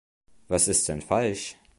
Was ist denn falsch?